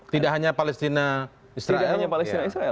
tidak hanya palestina israel